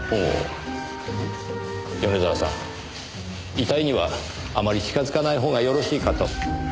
遺体にはあまり近づかないほうがよろしいかと。